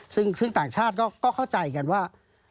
ซึ่งต่างชาติก็เข้าใจกันว่า